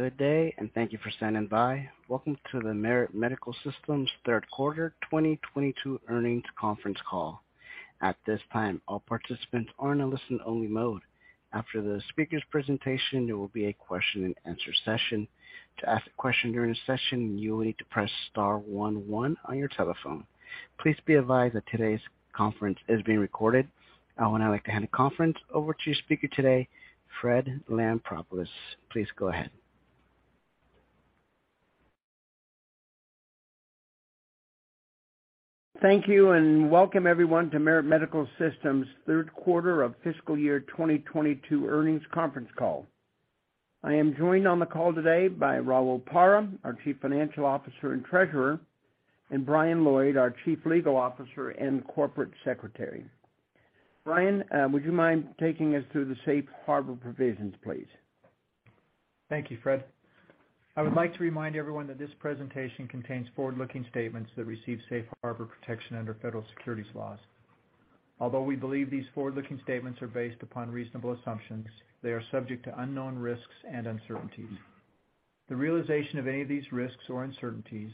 Good day, and thank you for standing by. Welcome to the Merit Medical Systems third quarter 2022 earnings conference call. At this time, all participants are in a listen only mode. After the speaker's presentation, there will be a question and answer session. To ask a question during the session, you will need to press star one one on your telephone. Please be advised that today's conference is being recorded. I would now like to hand the conference over to your speaker today, Fred Lampropoulos. Please go ahead. Thank you, and welcome everyone to Merit Medical Systems third quarter of fiscal year 2022 earnings conference call. I am joined on the call today by Raul Parra, our Chief Financial Officer and Treasurer, and Brian Lloyd, our Chief Legal Officer and Corporate Secretary. Brian, would you mind taking us through the Safe Harbor provisions, please? Thank you, Fred. I would like to remind everyone that this presentation contains forward-looking statements that receive Safe Harbor protection under federal securities laws. Although we believe these forward-looking statements are based upon reasonable assumptions, they are subject to unknown risks and uncertainties. The realization of any of these risks or uncertainties,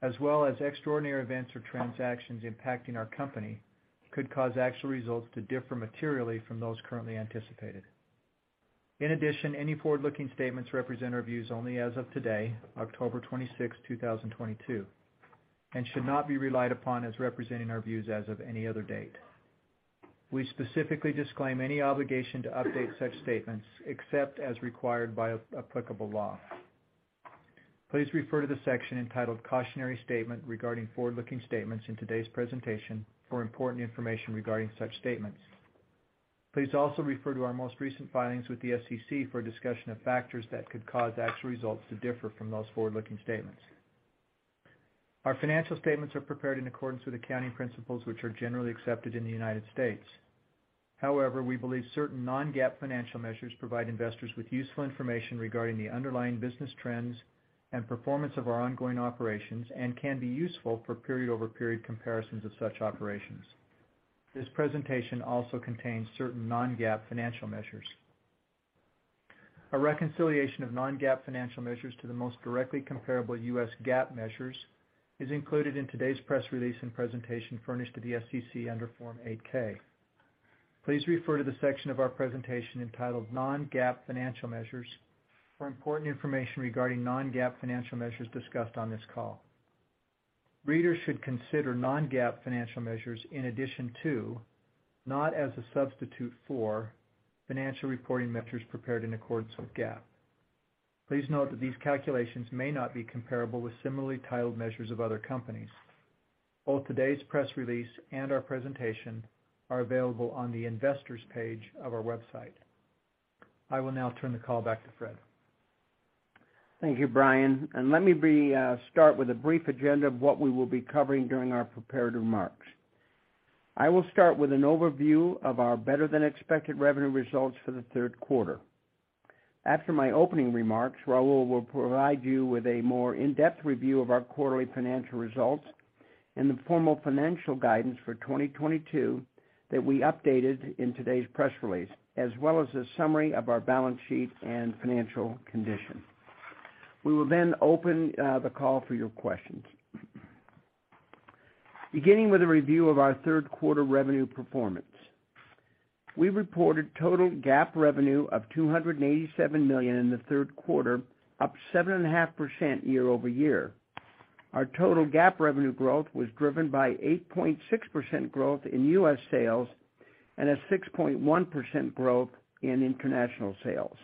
as well as extraordinary events or transactions impacting our company, could cause actual results to differ materially from those currently anticipated. In addition, any forward-looking statements represent our views only as of today, October twenty-sixth, two thousand twenty-two, and should not be relied upon as representing our views as of any other date. We specifically disclaim any obligation to update such statements except as required by applicable law. Please refer to the section entitled Cautionary Statement regarding forward-looking statements in today's presentation for important information regarding such statements. Please also refer to our most recent filings with the SEC for a discussion of factors that could cause actual results to differ from those forward-looking statements. Our financial statements are prepared in accordance with accounting principles, which are generally accepted in the United States. However, we believe certain non-GAAP financial measures provide investors with useful information regarding the underlying business trends and performance of our ongoing operations and can be useful for period-over-period comparisons of such operations. This presentation also contains certain non-GAAP financial measures. A reconciliation of non-GAAP financial measures to the most directly comparable U.S. GAAP measures is included in today's press release and presentation furnished to the SEC under Form 8-K. Please refer to the section of our presentation entitled Non-GAAP Financial Measures for important information regarding non-GAAP financial measures discussed on this call. Readers should consider non-GAAP financial measures in addition to, not as a substitute for, financial reporting measures prepared in accordance with GAAP. Please note that these calculations may not be comparable with similarly titled measures of other companies. Both today's press release and our presentation are available on the investor's page of our website. I will now turn the call back to Fred. Thank you, Brian. Start with a brief agenda of what we will be covering during our prepared remarks. I will start with an overview of our better than expected revenue results for the third quarter. After my opening remarks, Raul will provide you with a more in-depth review of our quarterly financial results and the formal financial guidance for 2022 that we updated in today's press release, as well as a summary of our balance sheet and financial condition. We will then open the call for your questions. Beginning with a review of our third quarter revenue performance. We reported total GAAP revenue of $287 million in the third quarter, up 7.5% year-over-year. Our total GAAP revenue growth was driven by 8.6% growth in U.S. sales and a 6.1% growth in international sales.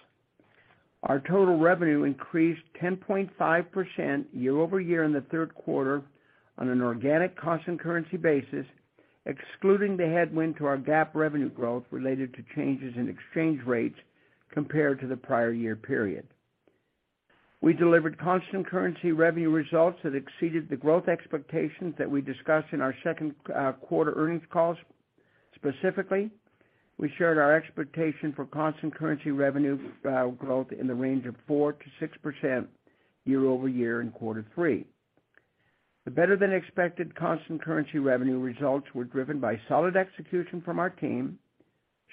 Our total revenue increased 10.5% year-over-year in the third quarter on an organic constant currency basis, excluding the headwind to our GAAP revenue growth related to changes in exchange rates compared to the prior year period. We delivered constant currency revenue results that exceeded the growth expectations that we discussed in our second quarter earnings calls. Specifically, we shared our expectation for constant currency revenue growth in the range of 4%-6% year-over-year in quarter three. The better than expected constant currency revenue results were driven by solid execution from our team,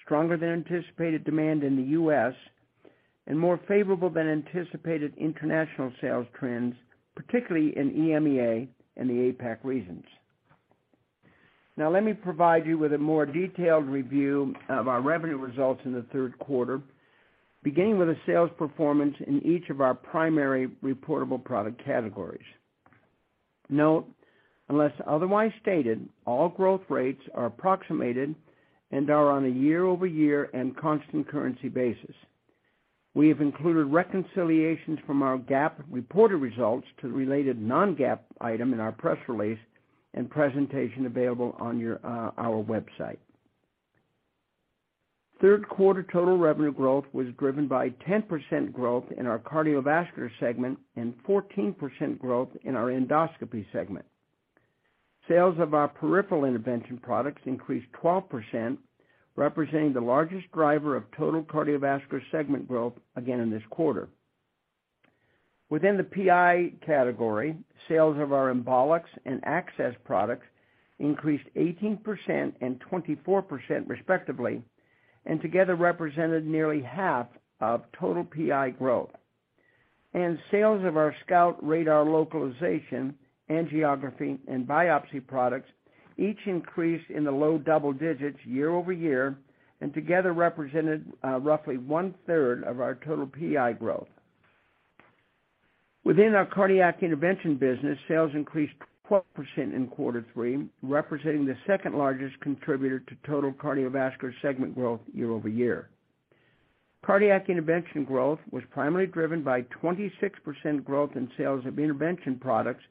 stronger than anticipated demand in the US, and more favorable than anticipated international sales trends, particularly in EMEA and the APAC regions. Now let me provide you with a more detailed review of our revenue results in the third quarter, beginning with a sales performance in each of our primary reportable product categories. Note, unless otherwise stated, all growth rates are approximated and are on a year-over-year and constant currency basis. We have included reconciliations from our GAAP reported results to the related non-GAAP item in our press release and presentation available on our website. Third quarter total revenue growth was driven by 10% growth in our cardiovascular segment and 14% growth in our endoscopy segment. Sales of our peripheral intervention products increased 12%, representing the largest driver of total cardiovascular segment growth again in this quarter. Within the PI category, sales of our embolics and access products increased 18% and 24% respectively, and together represented nearly half of total PI growth. Sales of our SCOUT radar localization, angiography, and biopsy products each increased in the low double digits year-over-year and together represented roughly one-third of our total PI growth. Within our cardiac intervention business, sales increased 12% in quarter three, representing the second-largest contributor to total cardiovascular segment growth year-over-year. Cardiac intervention growth was primarily driven by 26% growth in sales of intervention products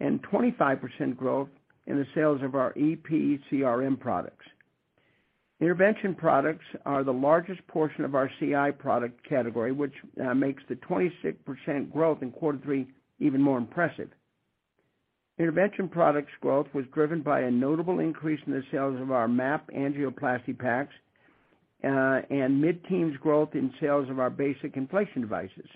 and 25% growth in the sales of our EP CRM products. Intervention products are the largest portion of our CI product category, which makes the 26% growth in quarter three even more impressive. Intervention products growth was driven by a notable increase in the sales of our MAP angioplasty packs and mid-teens growth in sales of our basic inflation devices.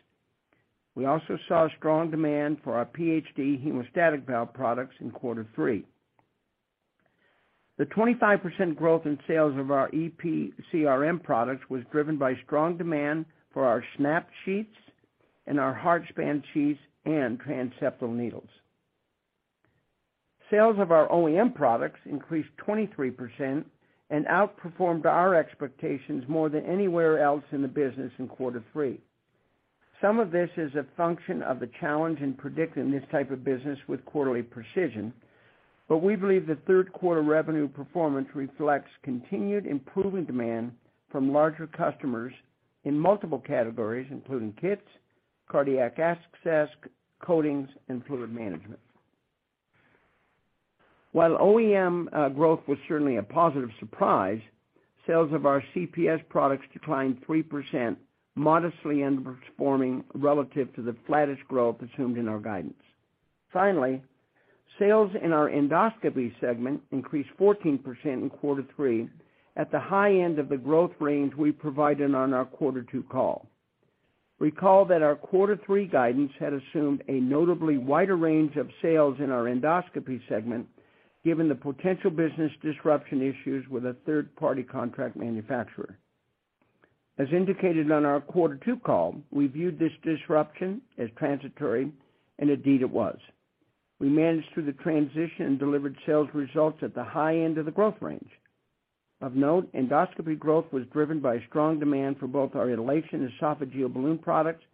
We also saw strong demand for our PhD Hemostasis Valve products in quarter three. The 25% growth in sales of our EP CRM products was driven by strong demand for our SNAP Sheaths and our HeartSpan sheaths and transseptal needles. Sales of our OEM products increased 23% and outperformed our expectations more than anywhere else in the business in quarter three. Some of this is a function of the challenge in predicting this type of business with quarterly precision, but we believe the third quarter revenue performance reflects continued improving demand from larger customers in multiple categories, including kits, cardiac access, coatings, and fluid management. While OEM growth was certainly a positive surprise, sales of our CPS products declined 3% modestly and underperforming relative to the flattest growth assumed in our guidance. Finally, sales in our endoscopy segment increased 14% in quarter three at the high end of the growth range we provided on our quarter two call. Recall that our quarter three guidance had assumed a notably wider range of sales in our endoscopy segment given the potential business disruption issues with a third-party contract manufacturer. As indicated on our quarter two call, we viewed this disruption as transitory, and indeed it was. We managed through the transition and delivered sales results at the high end of the growth range. Of note, endoscopy growth was driven by strong demand for both our Elation esophageal balloon products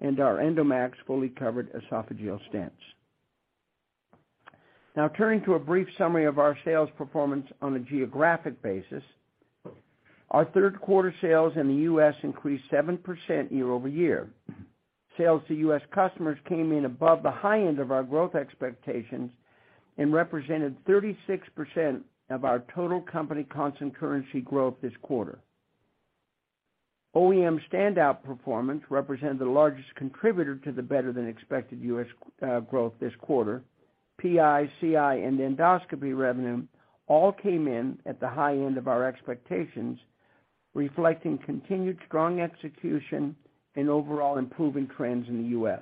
and our EndoMAXX fully covered esophageal stents. Now turning to a brief summary of our sales performance on a geographic basis. Our third quarter sales in the U.S. increased 7% year-over-year. Sales to U.S. customers came in above the high end of our growth expectations and represented 36% of our total company constant currency growth this quarter. OEM standout performance represented the largest contributor to the better-than-expected U.S. growth this quarter. PI, CI, and endoscopy revenue all came in at the high end of our expectations, reflecting continued strong execution and overall improving trends in the U.S.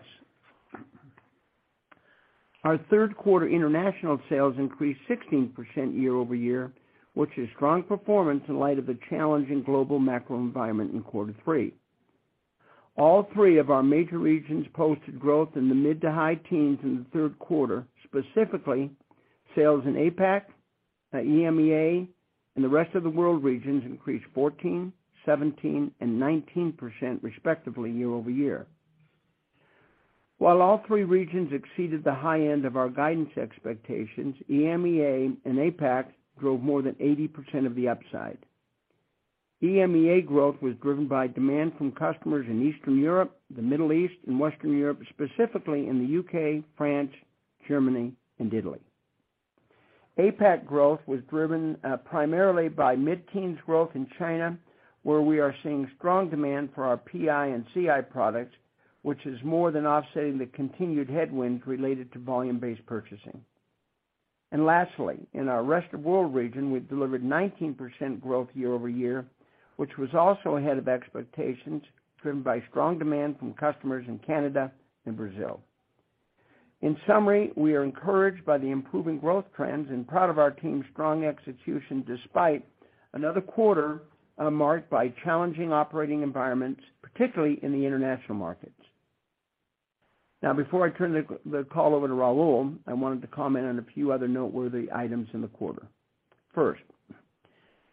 Our third quarter international sales increased 16% year-over-year, which is strong performance in light of the challenging global macro environment in quarter three. All three of our major regions posted growth in the mid to high teens in the third quarter. Specifically, sales in APAC, EMEA, and the rest of the world regions increased 14%, 17%, and 19%, respectively year-over-year. While all three regions exceeded the high end of our guidance expectations, EMEA and APAC drove more than 80% of the upside. EMEA growth was driven by demand from customers in Eastern Europe, the Middle East and Western Europe, specifically in the UK, France, Germany and Italy. APAC growth was driven, primarily by mid-teens growth in China, where we are seeing strong demand for our PI and CI products, which is more than offsetting the continued headwinds related to volume-based purchasing. Lastly, in our rest of world region, we've delivered 19% growth year-over-year, which was also ahead of expectations driven by strong demand from customers in Canada and Brazil. In summary, we are encouraged by the improving growth trends and proud of our team's strong execution despite another quarter marked by challenging operating environments, particularly in the international markets. Now, before I turn the call over to Raul, I wanted to comment on a few other noteworthy items in the quarter. First,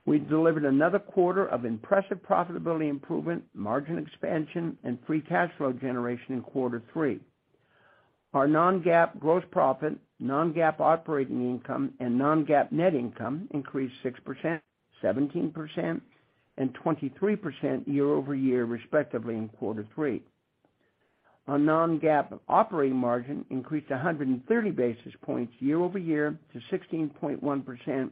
we delivered another quarter of impressive profitability improvement, margin expansion and free cash flow generation in quarter three. Our non-GAAP gross profit, non-GAAP operating income and non-GAAP net income increased 6%, 17% and 23% year-over-year, respectively in quarter three. Our non-GAAP operating margin increased 130 basis points year-over-year to 16.1%,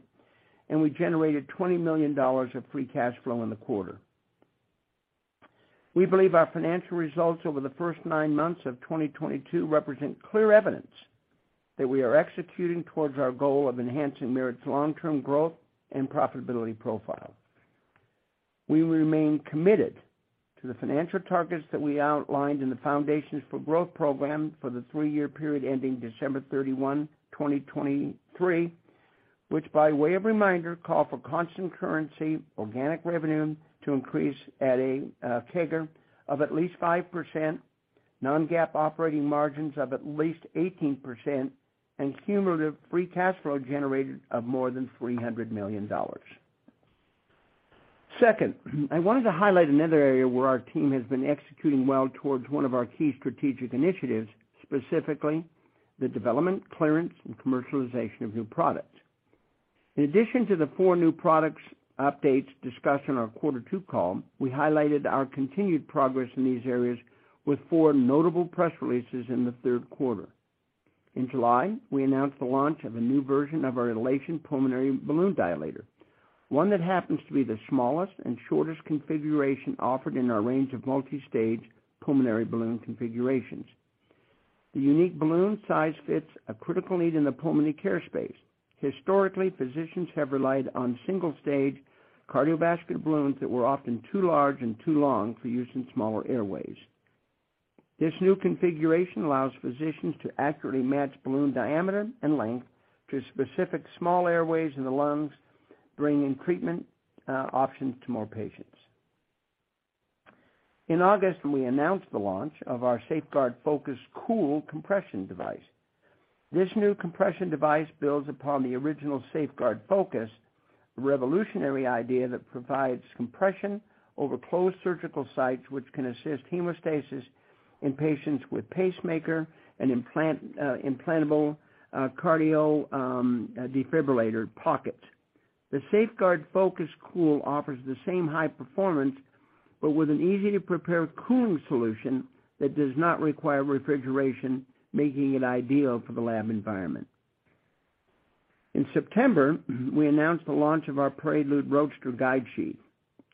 and we generated $20 million of free cash flow in the quarter. We believe our financial results over the first nine months of 2022 represent clear evidence that we are executing towards our goal of enhancing Merit's long-term growth and profitability profile. We remain committed to the financial targets that we outlined in the Foundations for Growth program for the three-year period ending December 31st, 2023, which by way of reminder, call for constant currency organic revenue to increase at a CAGR of at least 5%, non-GAAP operating margins of at least 18%, and cumulative free cash flow generated of more than $300 million. Second, I wanted to highlight another area where our team has been executing well towards one of our key strategic initiatives, specifically the development, clearance, and commercialization of new products. In addition to the four new products updates discussed in our quarter two call, we highlighted our continued progress in these areas with four notable press releases in the third quarter. In July, we announced the launch of a new version of our Elation Pulmonary Balloon Dilator, one that happens to be the smallest and shortest configuration offered in our range of multistage pulmonary balloon configurations. The unique balloon size fits a critical need in the pulmonary care space. Historically, physicians have relied on single-stage cardiovascular balloons that were often too large and too long for use in smaller airways. This new configuration allows physicians to accurately match balloon diameter and length to specific small airways in the lungs, bringing treatment options to more patients. In August, we announced the launch of our SafeGuard Focus Cool compression device. This new compression device builds upon the original SafeGuard Focus, a revolutionary idea that provides compression over closed surgical sites, which can assist hemostasis in patients with pacemaker and implantable cardioverter defibrillator pockets. The SafeGuard Focus Cool offers the same high performance, but with an easy-to-prepare cooling solution that does not require refrigeration, making it ideal for the lab environment. In September, we announced the launch of our Prelude Roadster Guide Sheath.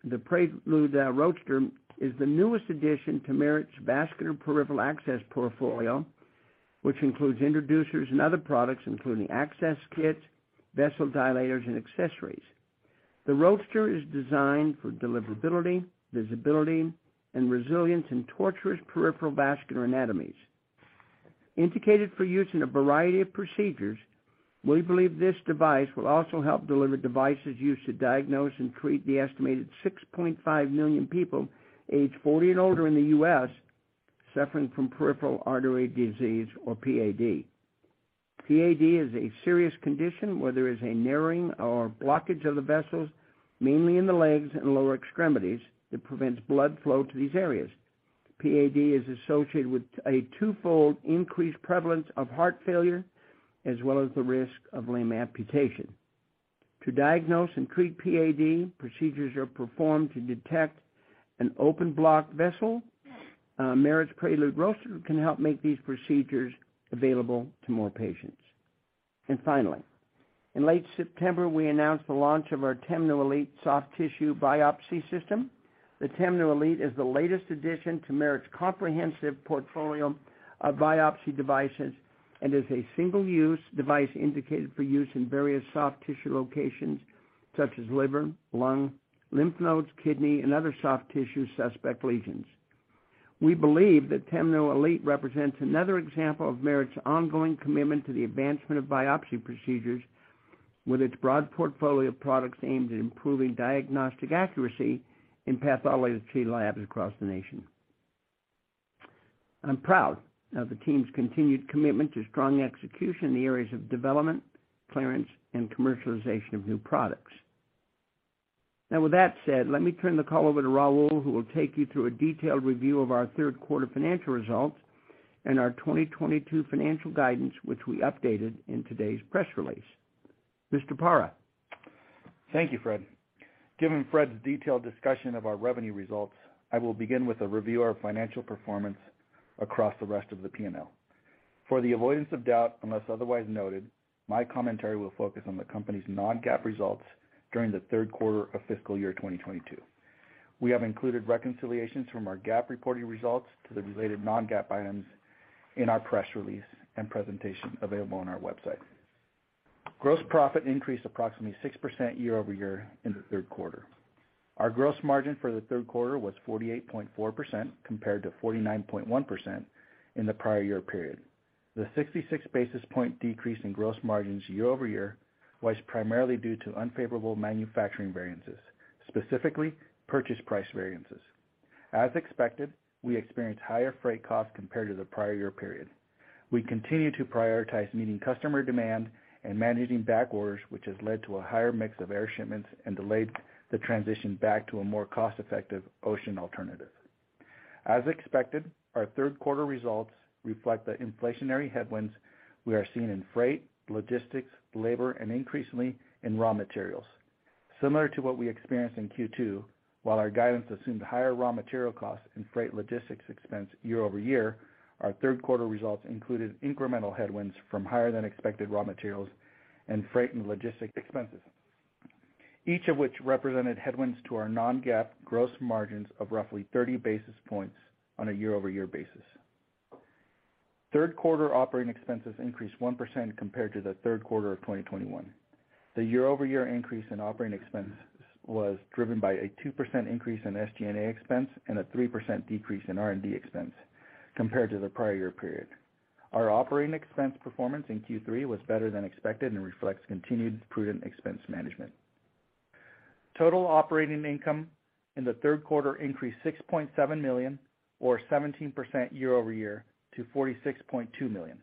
The Prelude Roadster is the newest addition to Merit's vascular peripheral access portfolio, which includes introducers and other products, including access kits, vessel dilators, and accessories. The Roadster is designed for deliverability, visibility, and resilience in tortuous peripheral vascular anatomies. Indicated for use in a variety of procedures, we believe this device will also help deliver devices used to diagnose and treat the estimated 6.5 million people aged 40 and older in the U.S. suffering from peripheral artery disease or PAD. PAD is a serious condition where there is a narrowing or blockage of the vessels, mainly in the legs and lower extremities, that prevents blood flow to these areas. PAD is associated with a twofold increased prevalence of heart failure, as well as the risk of limb amputation. To diagnose and treat PAD, procedures are performed to detect and open blocked vessels. Merit's Prelude Roadster can help make these procedures available to more patients. Finally, in late September, we announced the launch of our TEMNO Elite soft tissue biopsy system. The TEMNO Elite is the latest addition to Merit's comprehensive portfolio of biopsy devices, and is a single-use device indicated for use in various soft tissue locations such as liver, lung, lymph nodes, kidney, and other soft tissue suspect lesions. We believe that TEMNO Elite represents another example of Merit's ongoing commitment to the advancement of biopsy procedures with its broad portfolio of products aimed at improving diagnostic accuracy in pathology labs across the nation. I'm proud of the team's continued commitment to strong execution in the areas of development, clearance, and commercialization of new products. Now with that said, let me turn the call over to Raul, who will take you through a detailed review of our third quarter financial results and our 2022 financial guidance, which we updated in today's press release. Mr. Parra. Thank you, Fred. Given Fred's detailed discussion of our revenue results, I will begin with a review of financial performance across the rest of the P&L. For the avoidance of doubt, unless otherwise noted, my commentary will focus on the company's non-GAAP results during the third quarter of fiscal year 2022. We have included reconciliations from our GAAP reporting results to the related non-GAAP items in our press release and presentation available on our website. Gross profit increased approximately 6% year-over-year in the third quarter. Our gross margin for the third quarter was 48.4%, compared to 49.1% in the prior year period. The 66 basis point decrease in gross margins year-over-year was primarily due to unfavorable manufacturing variances, specifically purchase price variances. As expected, we experienced higher freight costs compared to the prior year period. We continue to prioritize meeting customer demand and managing back orders, which has led to a higher mix of air shipments and delayed the transition back to a more cost-effective ocean alternative. As expected, our third quarter results reflect the inflationary headwinds we are seeing in freight, logistics, labor, and increasingly in raw materials. Similar to what we experienced in Q2, while our guidance assumed higher raw material costs and freight logistics expense year-over-year, our third quarter results included incremental headwinds from higher than expected raw materials and freight and logistics expenses, each of which represented headwinds to our non-GAAP gross margins of roughly 30 basis points on a year-over-year basis. Third quarter operating expenses increased 1% compared to the third quarter of 2021. The year-over-year increase in operating expenses was driven by a 2% increase in SG&A expense and a 3% decrease in R&D expense compared to the prior year period. Our operating expense performance in Q3 was better than expected and reflects continued prudent expense management. Total operating income in the third quarter increased $6.7 million or 17% year-over-year to $46.2 million.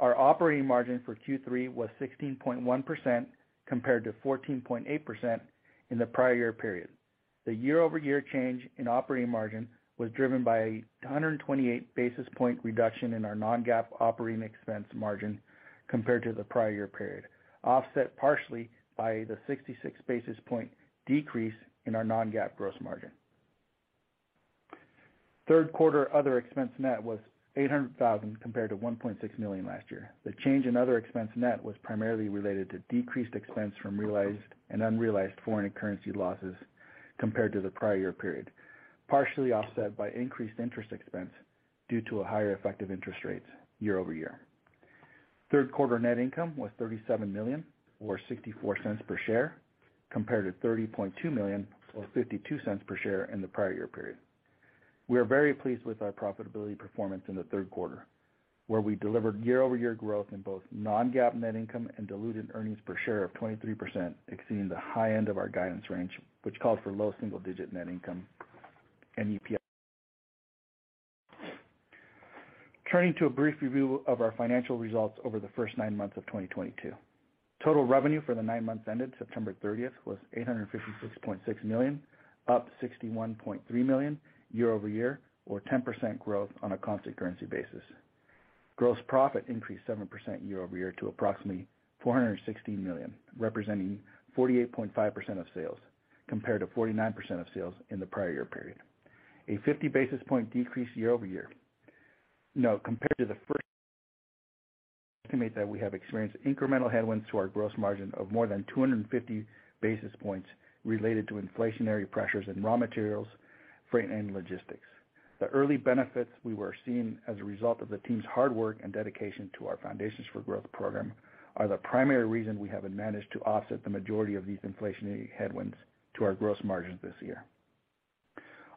Our operating margin for Q3 was 16.1% compared to 14.8% in the prior year period. The year-over-year change in operating margin was driven by a 128 basis point reduction in our non-GAAP operating expense margin compared to the prior year period, offset partially by the 66 basis point decrease in our non-GAAP gross margin. Third quarter other expense net was $800 thousand compared to $1.6 million last year. The change in other expense net was primarily related to decreased expense from realized and unrealized foreign currency losses compared to the prior year period, partially offset by increased interest expense due to a higher effective interest rate year-over-year. Third quarter net income was $37 million or $0.64 per share, compared to $30.2 million or $0.52 per share in the prior year period. We are very pleased with our profitability performance in the third quarter, where we delivered year-over-year growth in both non-GAAP net income and diluted earnings per share of 23%, exceeding the high end of our guidance range, which called for low single-digit net income and EPS. Turning to a brief review of our financial results over the first nine months of 2022. Total revenue for the nine months ended September 30th was $856.6 million, up $61.3 million year-over-year or 10% growth on a constant currency basis. Gross profit increased 7% year-over-year to approximately $416 million, representing 48.5% of sales, compared to 49% of sales in the prior year period. A 50 basis point decrease year-over-year. Now, compared to the first estimate that we have experienced incremental headwinds to our gross margin of more than 250 basis points related to inflationary pressures in raw materials, freight, and logistics. The early benefits we were seeing as a result of the team's hard work and dedication to our Foundations for Growth program are the primary reason we haven't managed to offset the majority of these inflationary headwinds to our gross margins this year.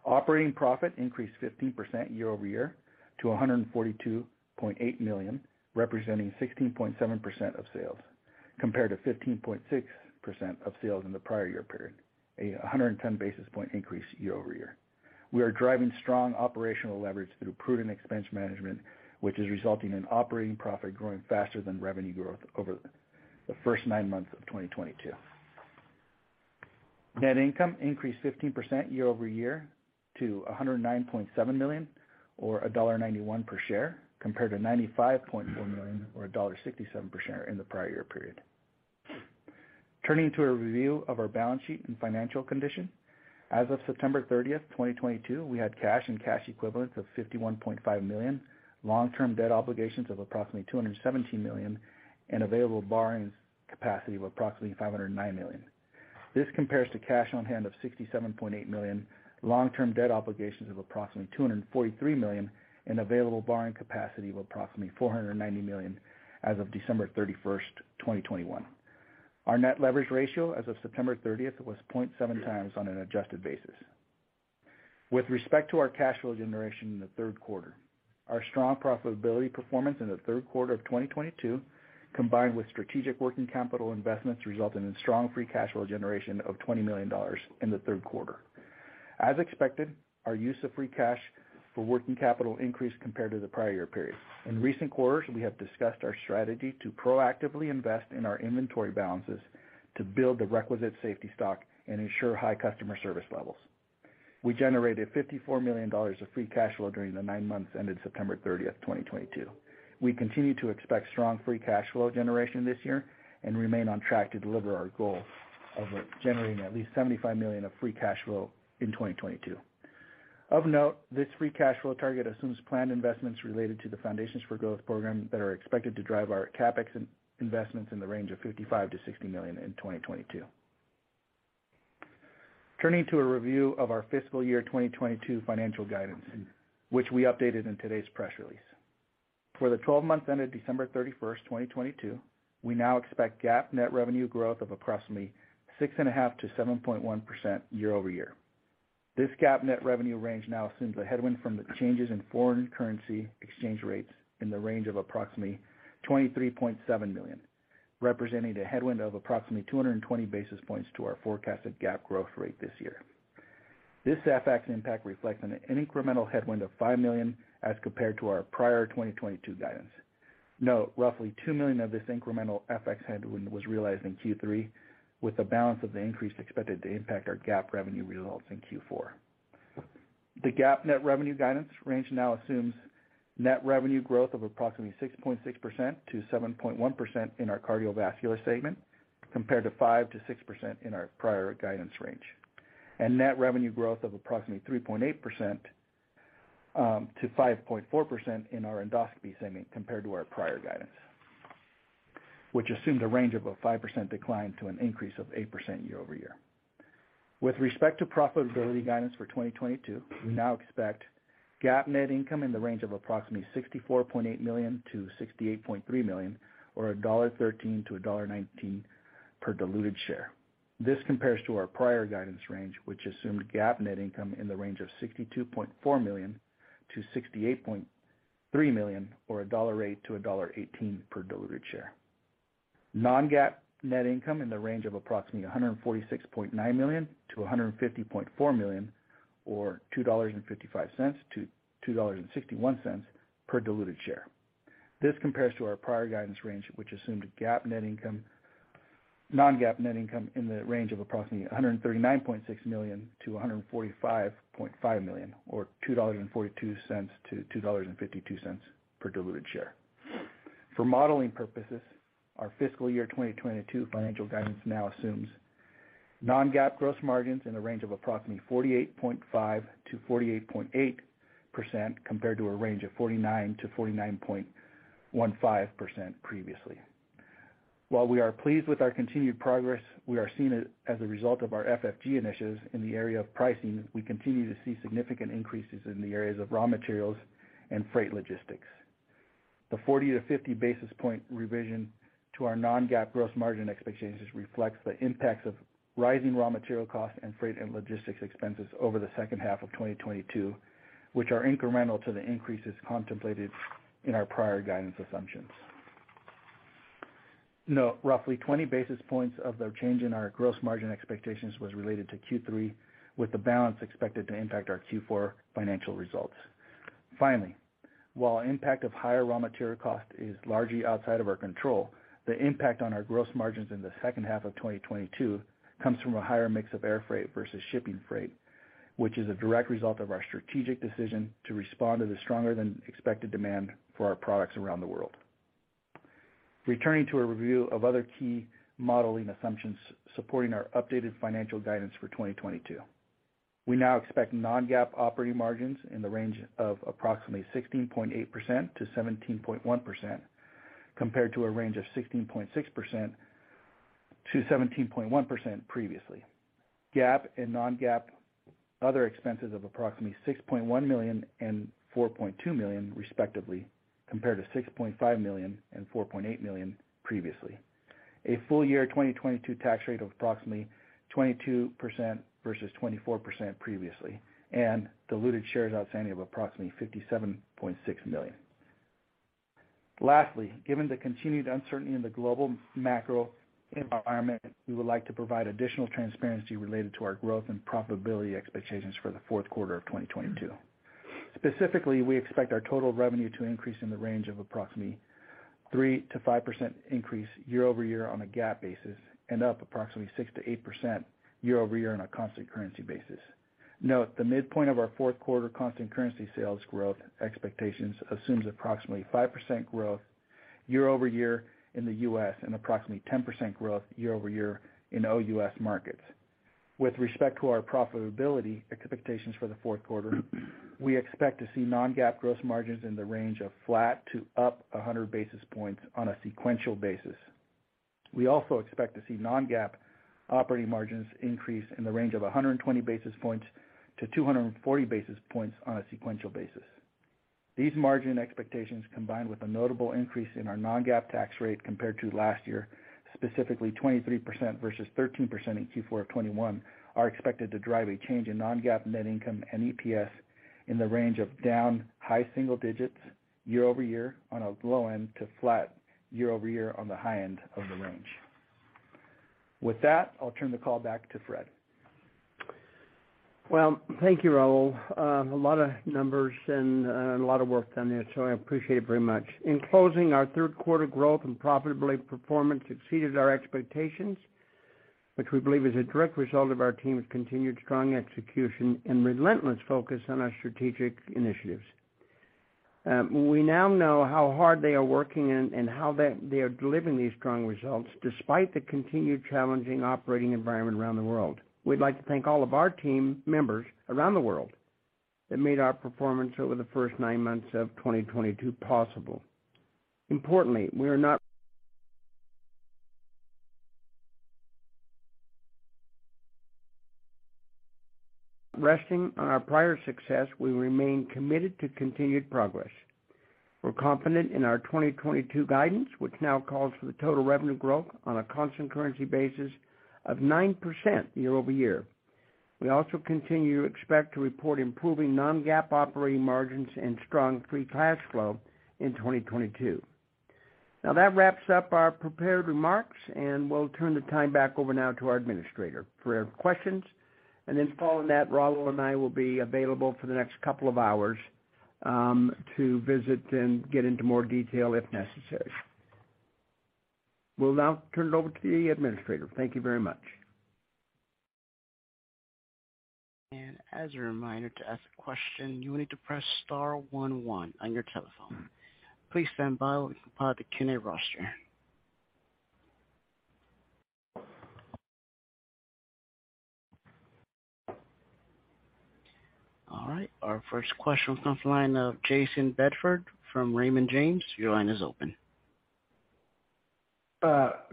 Operating profit increased 15% year-over-year to $142.8 million, representing 16.7% of sales, compared to 15.6% of sales in the prior year period. 110 basis point increase year-over-year. We are driving strong operational leverage through prudent expense management, which is resulting in operating profit growing faster than revenue growth over the first nine months of 2022. Net income increased 15% year-over-year to $109.7 million or $1.91 per share, compared to $95.4 million or $1.67 per share in the prior year period. Turning to a review of our balance sheet and financial condition. As of September 30th, 2022, we had cash and cash equivalents of $51.5 million, long-term debt obligations of approximately $217 million, and available borrowing capacity of approximately $509 million. This compares to cash on hand of $67.8 million, long-term debt obligations of approximately $243 million, and available borrowing capacity of approximately $490 million as of December 31st, 2021. Our net leverage ratio as of September 30th was 0.7 times on an adjusted basis. With respect to our cash flow generation in the third quarter, our strong profitability performance in the third quarter of 2022, combined with strategic working capital investments, resulting in strong free cash flow generation of $20 million in the third quarter. As expected, our use of free cash for working capital increased compared to the prior year period. In recent quarters, we have discussed our strategy to proactively invest in our inventory balances to build the requisite safety stock and ensure high customer service levels. We generated $54 million of free cash flow during the nine months ended September 30th, 2022. We continue to expect strong free cash flow generation this year and remain on track to deliver our goal of generating at least $75 million of free cash flow in 2022. Of note, this free cash flow target assumes planned investments related to the Foundations for Growth program that are expected to drive our CapEx investments in the range of $55 million-$60 million in 2022. Turning to a review of our fiscal year 2022 financial guidance, which we updated in today's press release. For the twelve months ended December 31st, 2022, we now expect GAAP net revenue growth of approximately 6.5%-7.1% year-over-year. This GAAP net revenue range now assumes a headwind from the changes in foreign currency exchange rates in the range of approximately $23.7 million, representing a headwind of approximately 220 basis points to our forecasted GAAP growth rate this year. This FX impact reflects an incremental headwind of $5 million as compared to our prior 2022 guidance. Note, roughly $2 million of this incremental FX headwind was realized in Q3, with the balance of the increase expected to impact our GAAP revenue results in Q4. The GAAP net revenue guidance range now assumes net revenue growth of approximately 6.6%-7.1% in our cardiovascular segment, compared to 5%-6% in our prior guidance range. Net revenue growth of approximately 3.8% to 5.4% in our endoscopy segment compared to our prior guidance, which assumed a range of a 5% decline to an increase of 8% year-over-year. With respect to profitability guidance for 2022, we now expect GAAP net income in the range of approximately $64.8 million-$68.3 million, or $1.13-$1.19 per diluted share. This compares to our prior guidance range, which assumed GAAP net income in the range of $62.4 million-$68.3 million, or $1.08-$1.18 per diluted share. Non-GAAP net income in the range of approximately $146.9 million-$150.4 million, or $2.55-$2.61 per diluted share. This compares to our prior guidance range, which assumed non-GAAP net income in the range of approximately $139.6 million-$145.5 million, or $2.42-$2.52 per diluted share. For modeling purposes, our fiscal year 2022 financial guidance now assumes non-GAAP gross margins in the range of approximately 48.5%-48.8% compared to a range of 49%-49.15% previously. While we are pleased with our continued progress, we are seeing it as a result of our FFG initiatives in the area of pricing. We continue to see significant increases in the areas of raw materials and freight logistics. The 40-50 basis point revision to our non-GAAP gross margin expectations reflects the impacts of rising raw material costs and freight and logistics expenses over the second half of 2022, which are incremental to the increases contemplated in our prior guidance assumptions. Note, roughly 20 basis points of the change in our gross margin expectations was related to Q3, with the balance expected to impact our Q4 financial results. Finally, while impact of higher raw material cost is largely outside of our control, the impact on our gross margins in the second half of 2022 comes from a higher mix of air freight versus shipping freight, which is a direct result of our strategic decision to respond to the stronger than expected demand for our products around the world. Returning to a review of other key modeling assumptions supporting our updated financial guidance for 2022. We now expect non-GAAP operating margins in the range of approximately 16.8%-17.1%, compared to a range of 16.6%-17.1% previously. GAAP and non-GAAP, other expenses of approximately $6.1 million and $4.2 million, respectively, compared to $6.5 million and $4.8 million previously. A full year 2022 tax rate of approximately 22% versus 24% previously, and diluted shares outstanding of approximately 57.6 million. Lastly, given the continued uncertainty in the global macro environment, we would like to provide additional transparency related to our growth and profitability expectations for the fourth quarter of 2022. Specifically, we expect our total revenue to increase in the range of approximately 3%-5% increase year-over-year on a GAAP basis, and up approximately 6%-8% year-over-year on a constant currency basis. Note, the midpoint of our fourth quarter constant currency sales growth expectations assumes approximately 5% growth year-over-year in the U.S. and approximately 10% growth year-over-year in OUS markets. With respect to our profitability expectations for the fourth quarter, we expect to see non-GAAP gross margins in the range of flat to up 100 basis points on a sequential basis. We also expect to see non-GAAP operating margins increase in the range of 120 basis points to 240 basis points on a sequential basis. These margin expectations, combined with a notable increase in our non-GAAP tax rate compared to last year, specifically 23% versus 13% in Q4 of 2021, are expected to drive a change in non-GAAP net income and EPS in the range of down high single digits year-over-year on a low end to flat year-over-year on the high end of the range. With that, I'll turn the call back to Fred. Well, thank you, Raul. A lot of numbers and a lot of work done there, so I appreciate it very much. In closing, our third quarter growth and profitability performance exceeded our expectations, which we believe is a direct result of our team's continued strong execution and relentless focus on our strategic initiatives. We now know how hard they are working and how they are delivering these strong results despite the continued challenging operating environment around the world. We'd like to thank all of our team members around the world that made our performance over the first nine months of 2022 possible. Importantly, we are not resting on our prior success. We remain committed to continued progress. We're confident in our 2022 guidance, which now calls for the total revenue growth on a constant currency basis of 9% year-over-year. We also continue to expect to report improving non-GAAP operating margins and strong free cash flow in 2022. Now that wraps up our prepared remarks, and we'll turn the time back over now to our administrator for questions. Then following that, Raul and I will be available for the next couple of hours, to visit and get into more detail if necessary. We'll now turn it over to the administrator. Thank you very much. As a reminder to ask a question, you will need to press star one one on your telephone. Please stand by while we compile the keynote roster. All right. Our first question comes from the line of Jayson Bedford from Raymond James. Your line is open.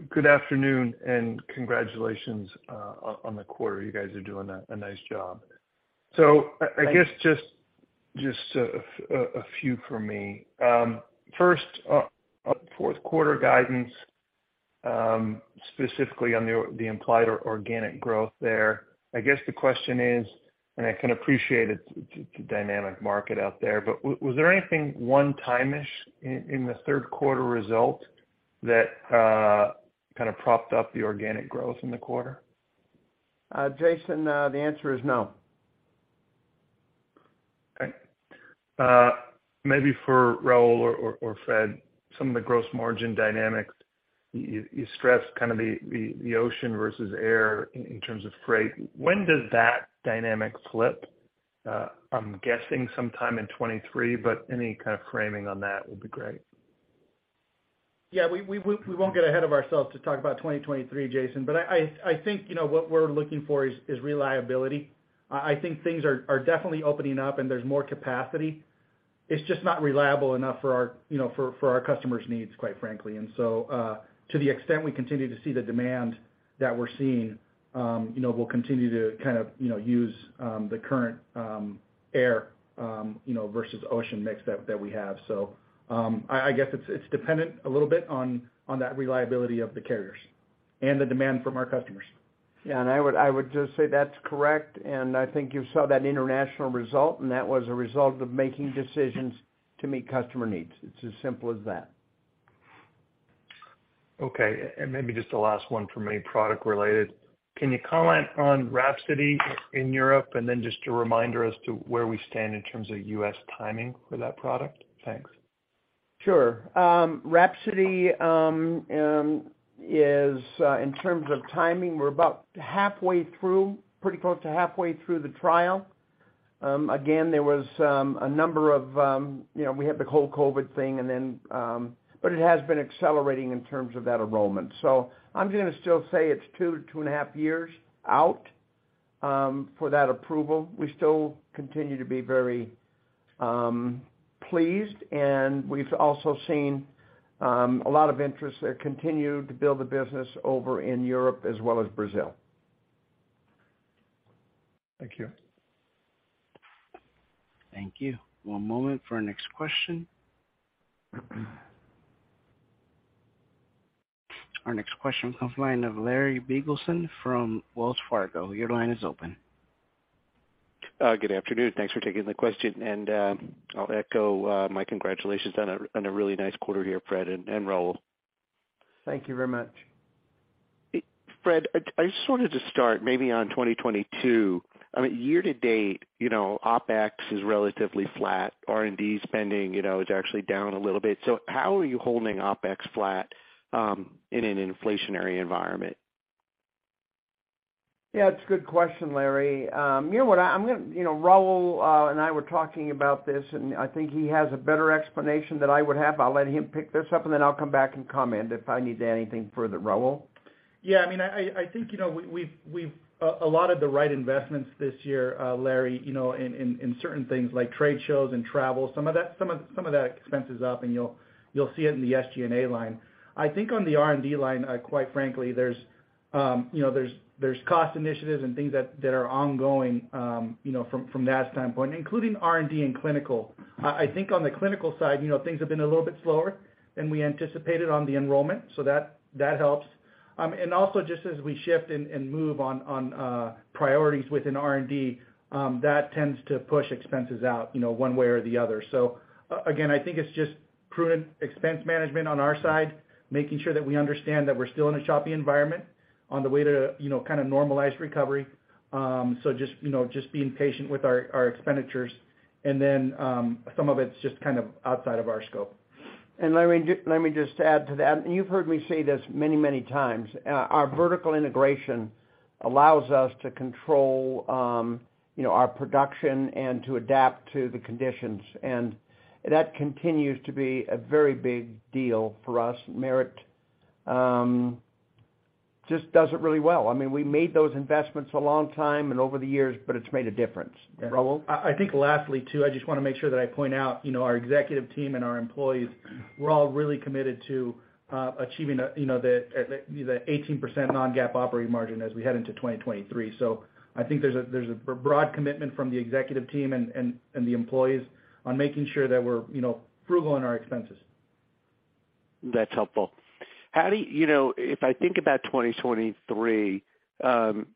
Good afternoon and congratulations on the quarter. You guys are doing a nice job. I guess just a few from me. First, fourth quarter guidance, specifically on the implied or organic growth there. I guess the question is, and I can appreciate it's a dynamic market out there, but was there anything one-time-ish in the third quarter result that kind of propped up the organic growth in the quarter? Jason, the answer is no. Okay. Maybe for Raul or Fred, some of the gross margin dynamics. You stressed kind of the ocean versus air in terms of freight. When does that dynamic flip? I'm guessing sometime in 2023, but any kind of framing on that would be great. Yeah. We won't get ahead of ourselves to talk about 2023, Jason, but I think, you know, what we're looking for is reliability. I think things are definitely opening up and there's more capacity. It's just not reliable enough for our, you know, for our customers' needs, quite frankly. To the extent we continue to see the demand that we're seeing, you know, we'll continue to kind of, you know, use the current air versus ocean mix that we have. I guess it's dependent a little bit on that reliability of the carriers and the demand from our customers. Yeah. I would just say that's correct, and I think you saw that international result, and that was a result of making decisions to meet customer needs. It's as simple as that. Okay. Maybe just the last one for me, product related. Can you comment on WRAPSODY in Europe? Then just a reminder as to where we stand in terms of U.S. timing for that product? Thanks. Sure. WRAPSODY, in terms of timing, we're about halfway through, pretty close to halfway through the trial. Again, there was a number of, you know, we had the whole COVID thing and then, but it has been accelerating in terms of that enrollment. I'm gonna still say it's 2-2.5 years out for that approval. We still continue to be very pleased, and we've also seen a lot of interest there, continue to build the business over in Europe as well as Brazil. Thank you. Thank you. One moment for our next question. Our next question comes from the line of Larry Biegelsen from Wells Fargo. Your line is open. Good afternoon. Thanks for taking the question. I'll echo my congratulations on a really nice quarter here, Fred and Raul. Thank you very much. Fred, I just wanted to start maybe on 2022. I mean, year to date, you know, OpEx is relatively flat. R&D spending, you know, is actually down a little bit. How are you holding OpEx flat in an inflationary environment? Yeah, it's a good question, Larry. You know what? You know, Raul and I were talking about this, and I think he has a better explanation than I would have. I'll let him pick this up, and then I'll come back and comment if I need to add anything further. Raul? I mean, I think, you know, we have a lot of the right investments this year, Larry, you know, in certain things like trade shows and travel. Some of that expense is up, and you'll see it in the SG&A line. I think on the R&D line, quite frankly, there's you know, there's cost initiatives and things that are ongoing, you know, from that standpoint, including R&D and clinical. I think on the clinical side, you know, things have been a little bit slower than we anticipated on the enrollment, so that helps. Also just as we shift and move on priorities within R&D, that tends to push expenses out, you know, one way or the other. I think it's just prudent expense management on our side, making sure that we understand that we're still in a choppy environment on the way to, you know, kind of normalize recovery. Just, you know, just being patient with our expenditures. Some of it's just kind of outside of our scope. Larry, let me just add to that, and you've heard me say this many, many times. Our vertical integration allows us to control, you know, our production and to adapt to the conditions. That continues to be a very big deal for us. Merit just does it really well. I mean, we made those investments a long time and over the years, but it's made a difference. Raul? I think lastly too, I just wanna make sure that I point out, you know, our executive team and our employees, we're all really committed to achieving a, you know, the 18% non-GAAP operating margin as we head into 2023. I think there's a broad commitment from the executive team and the employees on making sure that we're, you know, frugal in our expenses. That's helpful. How do you know, if I think about 2023,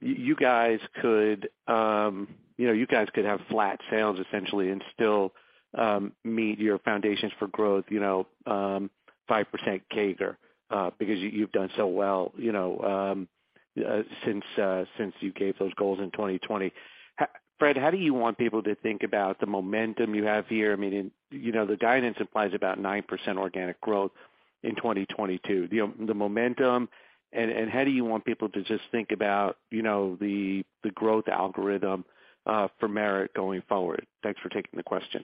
you guys could have flat sales essentially and still meet your Foundations for Growth, you know, 5% CAGR, because you've done so well, you know, since you gave those goals in 2020. Hey, Fred, how do you want people to think about the momentum you have here? I mean, you know, the guidance implies about 9% organic growth in 2022. The momentum and how do you want people to just think about, you know, the growth algorithm for Merit going forward? Thanks for taking the question.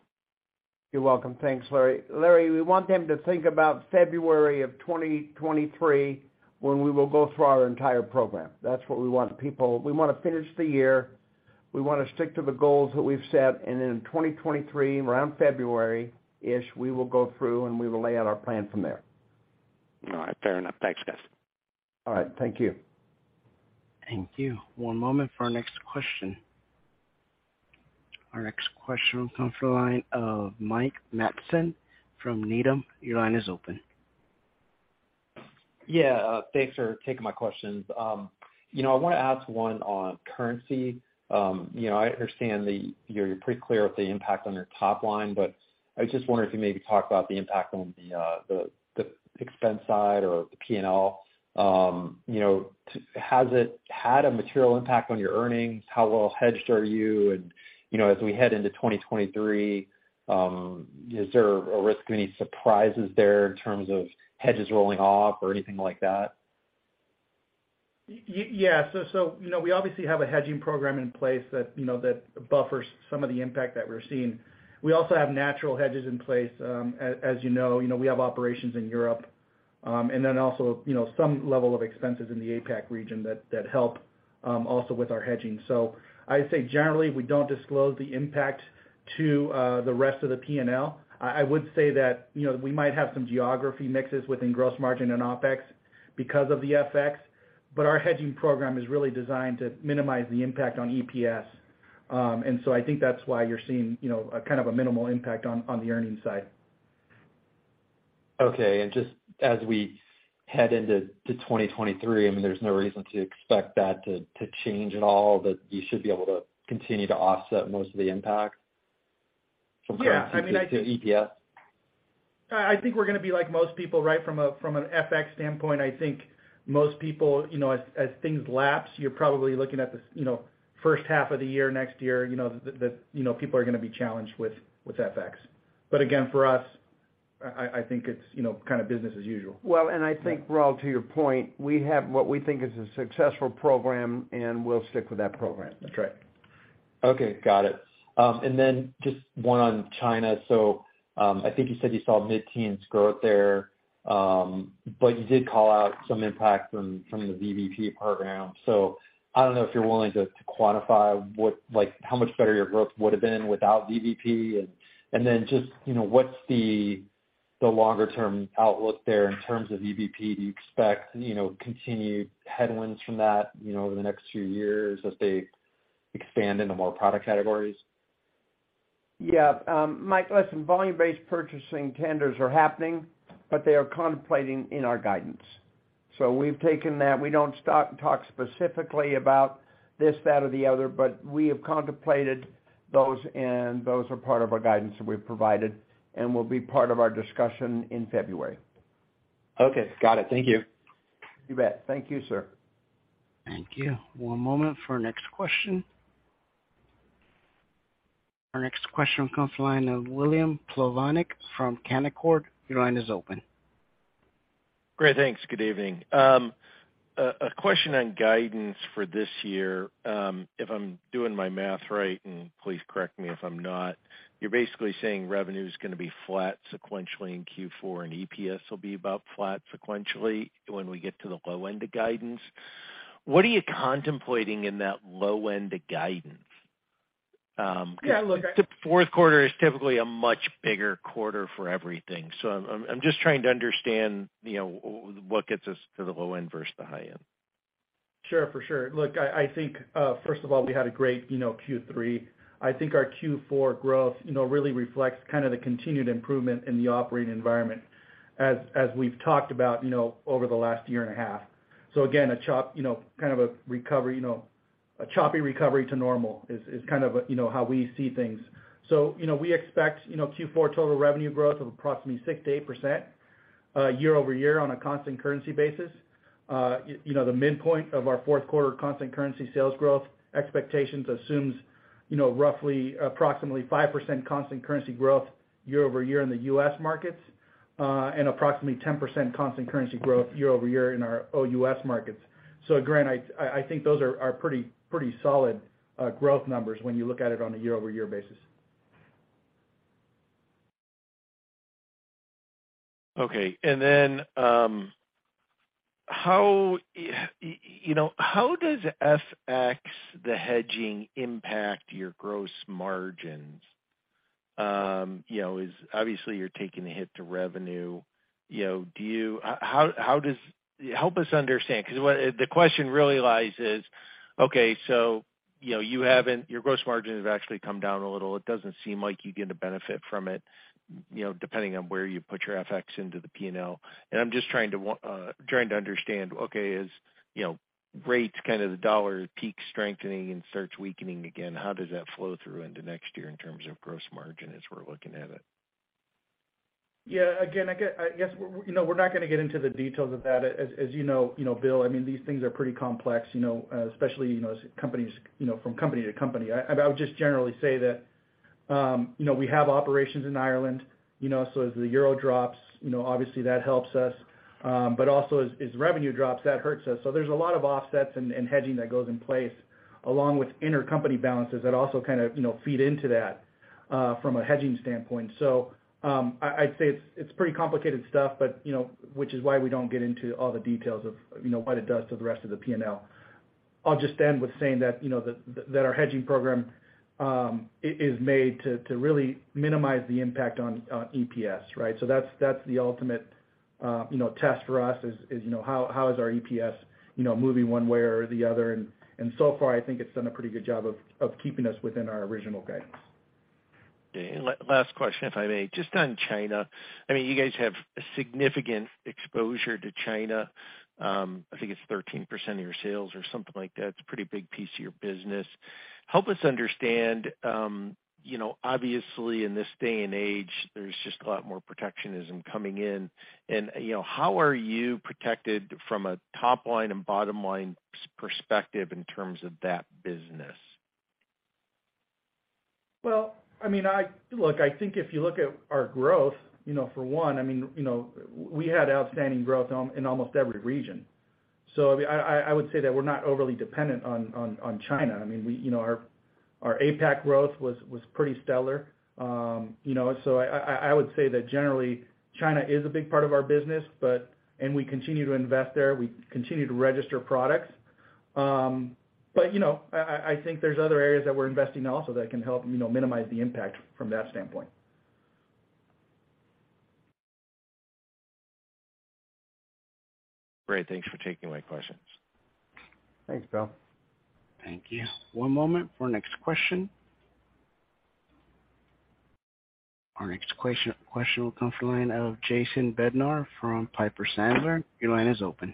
You're welcome. Thanks, Larry. Larry, we want them to think about February of 2023 when we will go through our entire program. That's what we want people. We wanna finish the year. We wanna stick to the goals that we've set, and then in 2023, around February-ish, we will go through, and we will lay out our plan from there. All right, fair enough. Thanks, guys. All right, thank you. Thank you. One moment for our next question. Our next question comes from the line of Mike Matson from Needham. Your line is open. Yeah, thanks for taking my questions. You know, I wanna ask one on currency. You know, I understand that you're pretty clear with the impact on your top line, but I just wonder if you maybe talk about the impact on the expense side or the P&L. You know, has it had a material impact on your earnings? How well hedged are you? And, you know, as we head into 2023, is there a risk of any surprises there in terms of hedges rolling off or anything like that? Yeah. We obviously have a hedging program in place that buffers some of the impact that we're seeing. We also have natural hedges in place. As you know, we have operations in Europe, and then also some level of expenses in the APAC region that help also with our hedging. I say generally, we don't disclose the impact to the rest of the P&L. I would say that we might have some geography mixes within gross margin and OpEx because of the FX, but our hedging program is really designed to minimize the impact on EPS. I think that's why you're seeing a kind of a minimal impact on the earnings side. Okay, just as we head into 2023, I mean, there's no reason to expect that to change at all, that you should be able to continue to offset most of the impact from. Yeah, I mean, I think- to EPS? I think we're gonna be like most people, right? From an FX standpoint, I think most people, you know, as things lapse, you're probably looking at, you know, first half of the year next year, you know, people are gonna be challenged with FX. But again, for us, I think it's, you know, kind of business as usual. Well, I think, Raul, to your point, we have what we think is a successful program, and we'll stick with that program. That's right. Okay, got it. Just one on China. I think you said you saw mid-teens growth there, but you did call out some impact from the VBP program. I don't know if you're willing to quantify what, like how much better your growth would have been without VBP. Then just, you know, what's the longer term outlook there in terms of VBP? Do you expect, you know, continued headwinds from that, you know, over the next few years as they expand into more product categories? Yeah. Mike, listen, volume-based purchasing tenders are happening, but they are contemplated in our guidance. We've taken that. We don't stop and talk specifically about this, that, or the other, but we have contemplated those, and those are part of our guidance that we've provided and will be part of our discussion in February. Okay, got it. Thank you. You bet. Thank you, sir. Thank you. One moment for our next question. Our next question comes from the line of William Plovanic from Canaccord. Your line is open. Great. Thanks. Good evening. A question on guidance for this year. If I'm doing my math right, and please correct me if I'm not, you're basically saying revenue's gonna be flat sequentially in Q4, and EPS will be about flat sequentially when we get to the low end of guidance. What are you contemplating in that low end of guidance? Yeah, look. The fourth quarter is typically a much bigger quarter for everything, so I'm just trying to understand, you know, what gets us to the low end versus the high end. Sure, for sure. Look, I think, first of all, we had a great, you know, Q3. I think our Q4 growth, you know, really reflects kind of the continued improvement in the operating environment as we've talked about, you know, over the last year and a half. Again, you know, kind of a recovery, you know, a choppy recovery to normal is kind of a, you know, how we see things. We expect, you know, Q4 total revenue growth of approximately 6%-8% year-over-year on a constant currency basis. You know, the midpoint of our fourth quarter constant currency sales growth expectations assumes, you know, roughly approximately 5% constant currency growth year-over-year in the U.S. markets, and approximately 10% constant currency growth year-over-year in our OUS markets. Grant, I think those are pretty solid growth numbers when you look at it on a year-over-year basis. Okay. You know, how does FX, the hedging impact your gross margins? You know, obviously you're taking the hit to revenue, you know. Help us understand, 'cause what the question really lies is, you know, you haven't, your gross margin has actually come down a little. It doesn't seem like you get a benefit from it, you know, depending on where you put your FX into the P&L. I'm just trying to understand, you know, rates kind of the dollar peak strengthening and starts weakening again, how does that flow through into next year in terms of gross margin as we're looking at it? Yeah. Again, I guess, we're not gonna get into the details of that. As you know, Bill, I mean, these things are pretty complex, you know, especially as companies from company to company. I would just generally say that, you know, we have operations in Ireland. As the euro drops, you know, obviously that helps us. Also as revenue drops, that hurts us. There's a lot of offsets and hedging that goes in place along with intercompany balances that also kind of feed into that from a hedging standpoint. I'd say it's pretty complicated stuff, but, you know, which is why we don't get into all the details of what it does to the rest of the P&L. I'll just end with saying that, you know, that our hedging program is made to really minimize the impact on EPS, right? So that's the ultimate, you know, test for us, is, you know, how is our EPS, you know, moving one way or the other. So far, I think it's done a pretty good job of keeping us within our original guidance. Okay. Last question, if I may. Just on China. I mean, you guys have significant exposure to China. I think it's 13% of your sales or something like that. It's a pretty big piece of your business. Help us understand, you know, obviously, in this day and age, there's just a lot more protectionism coming in. And, you know, how are you protected from a top line and bottom line perspective in terms of that business? Well, I mean, look, I think if you look at our growth, you know, for one, I mean, you know, we had outstanding growth in almost every region. I would say that we're not overly dependent on China. I mean, we, you know, our APAC growth was pretty stellar. You know, I would say that generally China is a big part of our business, but and we continue to invest there. We continue to register products. But, you know, I think there's other areas that we're investing also that can help, you know, minimize the impact from that standpoint. Great. Thanks for taking my questions. Thanks, Bill. Thank you. One moment for next question. Our next question will come from the line of Jason Bednar from Piper Sandler. Your line is open.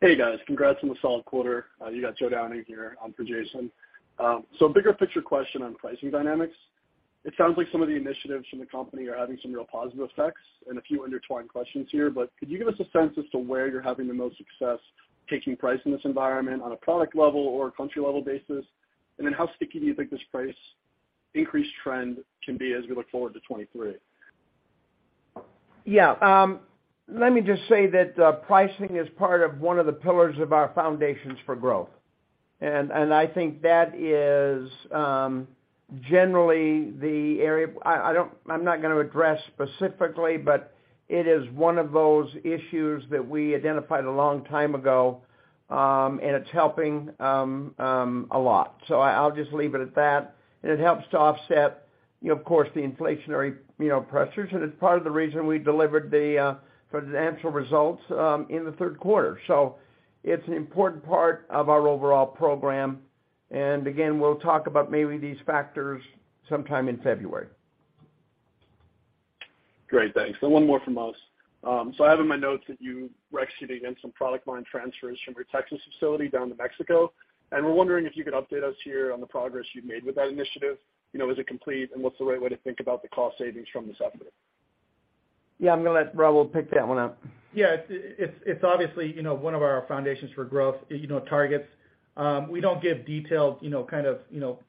Hey, guys. Congrats on the solid quarter. You got Joe Downing here for Jason Bedford. So bigger picture question on pricing dynamics. It sounds like some of the initiatives from the company are having some real positive effects and a few intertwined questions here, but could you give us a sense as to where you're having the most success taking price in this environment on a product level or a country level basis? Then how sticky do you think this price increase trend can be as we look forward to 2023? Yeah. Let me just say that, pricing is part of one of the pillars of our Foundations for Growth. I think that is generally the area. I'm not gonna address specifically, but it is one of those issues that we identified a long time ago, and it's helping a lot. I'll just leave it at that. It helps to offset, you know, of course, the inflationary, you know, pressures. It's part of the reason we delivered the financial results in the third quarter. It's an important part of our overall program. Again, we'll talk about maybe these factors sometime in February. Great. Thanks. One more from us. So I have in my notes that you were executing on some product line transfers from your Texas facility down to Mexico, and we're wondering if you could update us here on the progress you've made with that initiative. You know, is it complete? And what's the right way to think about the cost savings from this effort? Yeah, I'm gonna let Raul pick that one up. Yeah. It's obviously, you know, one of our Foundations for Growth targets. We don't give detailed, you know, kind of, you know,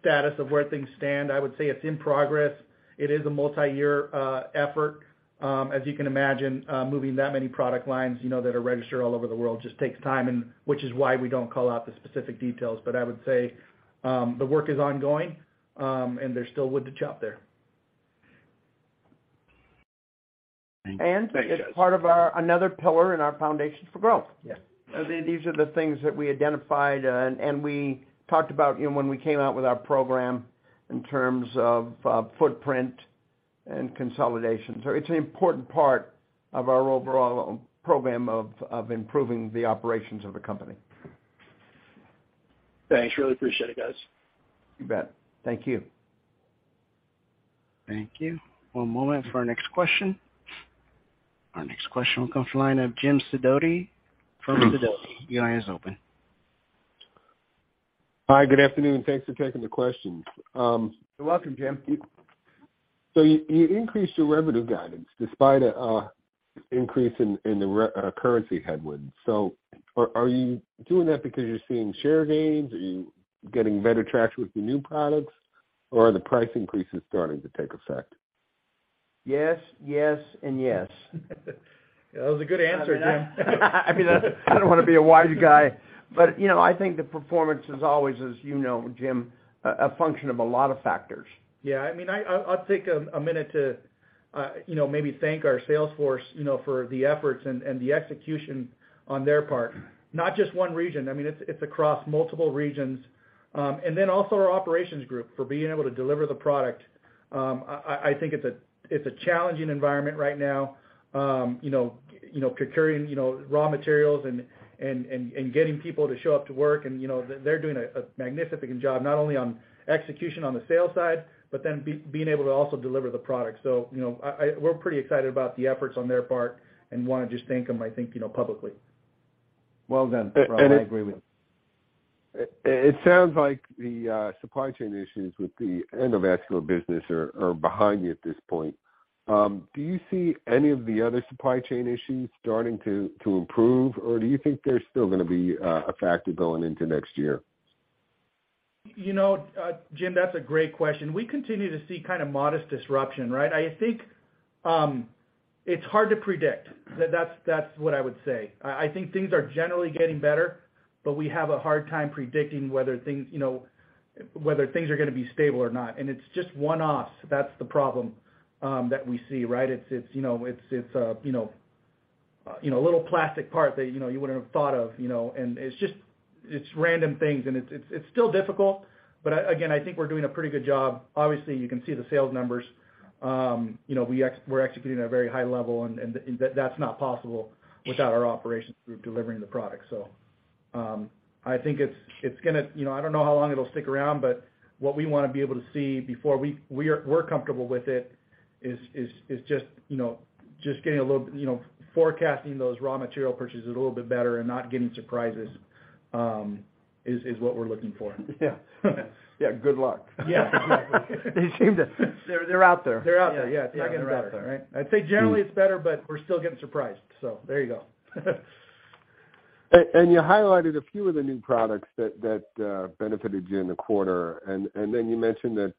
status of where things stand. I would say it's in progress. It is a multi-year effort. As you can imagine, moving that many product lines, you know, that are registered all over the world just takes time and which is why we don't call out the specific details. I would say the work is ongoing, and there's still wood to chop there. Thank you. Thanks, guys. It's part of our, another pillar in our Foundations for Growth. Yeah. These are the things that we identified, and we talked about, you know, when we came out with our program in terms of, footprint and consolidation. It's an important part of our overall program of improving the operations of the company. Thanks. Really appreciate it, guys. You bet. Thank you. Thank you. One moment for our next question. Our next question will come from the line of Jim Sidoti from Sidoti. Your line is open. Hi, good afternoon. Thanks for taking the questions. You're welcome, James. You increased your revenue guidance despite an increase in the currency headwinds. Are you doing that because you're seeing share gains? Are you getting better traction with the new products or are the price increases starting to take effect? Yes, yes and yes. That was a good answer, Jim. I mean, I don't wanna be a wise guy, but you know, I think the performance is always as you know, Jim, a function of a lot of factors. Yeah. I mean, I'll take a minute to, you know, maybe thank our sales force, you know, for the efforts and the execution on their part. Not just one region. I mean, it's across multiple regions. And then also our operations group for being able to deliver the product. I think it's a challenging environment right now, you know, procuring raw materials and getting people to show up to work and, you know, they're doing a magnificent job not only on execution on the sales side, but then being able to also deliver the product. You know, we're pretty excited about the efforts on their part and wanna just thank them, I think, you know, publicly. Well done, Rahul. I agree with you. It sounds like the supply chain issues with the endovascular business are behind you at this point. Do you see any of the other supply chain issues starting to improve, or do you think they're still gonna be a factor going into next year? You know, Jim, that's a great question. We continue to see kind of modest disruption, right? I think it's hard to predict. That's what I would say. I think things are generally getting better, but we have a hard time predicting whether things, you know, whether things are gonna be stable or not. It's just one-offs, that's the problem that we see, right? It's you know, a little plastic part that you know, you wouldn't have thought of, you know. It's just random things and it's still difficult. But again, I think we're doing a pretty good job. Obviously, you can see the sales numbers. You know, we're executing at a very high level, and that's not possible without our operations group delivering the product. I think you know I don't know how long it'll stick around, but what we wanna be able to see before we're comfortable with it is just you know just getting a little you know forecasting those raw material purchases a little bit better and not getting surprises is what we're looking for. Yeah. Yeah, good luck. Yeah, exactly. They're out there. They're out there. Yeah. They're out there, right? I'd say generally it's better, but we're still getting surprised. There you go. You highlighted a few of the new products that benefited you in the quarter. Then you mentioned that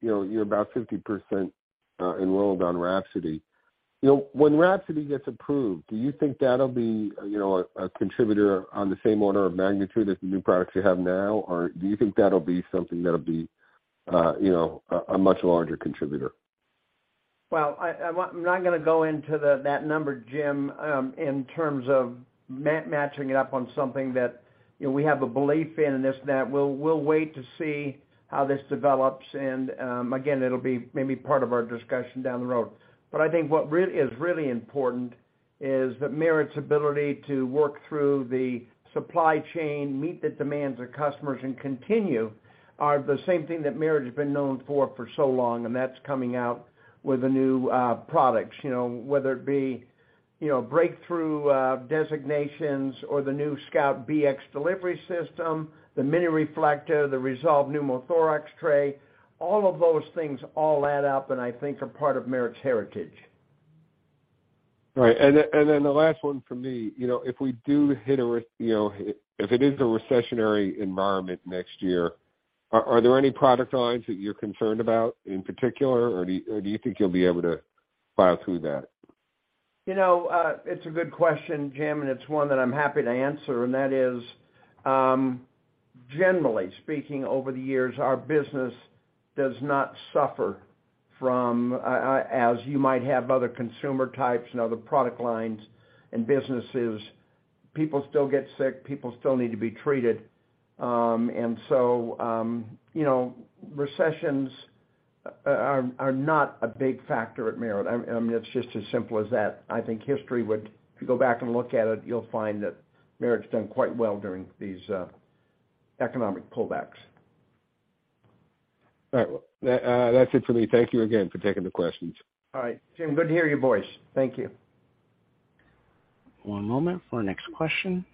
you know, you're about 50% enrolled on WRAPSODY. You know, when WRAPSODY gets approved, do you think that'll be a contributor on the same order of magnitude as the new products you have now, or do you think that'll be something that'll be a much larger contributor? I'm not gonna go into that number, Jim, in terms of matching it up on something that, you know, we have a belief in and this and that. We'll wait to see how this develops. Again, it'll be maybe part of our discussion down the road. I think what is really important is that Merit's ability to work through the supply chain, meet the demands of customers and continuing are the same thing that Merit has been known for so long, and that's coming out with the new products. You know, whether it be, you know, breakthrough designations or the new SCOUT Bx delivery system, the Mini Reflecta, the ReSolve Pneumothorax Tray, all of those things all add up and I think are part of Merit's heritage. Right. The last one for me. You know, if we do hit a recessionary environment next year, are there any product lines that you're concerned about in particular, or do you think you'll be able to plow through that? You know, it's a good question, Jim, and it's one that I'm happy to answer, and that is, generally speaking over the years, our business does not suffer from, as you might have other consumer types and other product lines and businesses. People still get sick, people still need to be treated. You know, recessions are not a big factor at Merit. I mean, it's just as simple as that. I think history would, if you go back and look at it, you'll find that Merit's done quite well during these economic pullbacks. All right. Well, that's it for me. Thank you again for taking the questions. All right. Jim, good to hear your voice. Thank you. One moment for our next question.